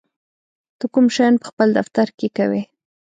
ته کوم شیان په خپل دفتر کې کوې؟